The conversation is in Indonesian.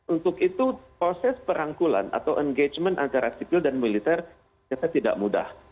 untuk itu proses perangkulan atau engagement antara sipil dan militer ternyata tidak mudah